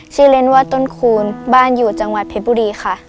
ชื่อเล้นวาดต้นคูณบ้านอยู่จังหวัดเผ็ดบุรีค่ะ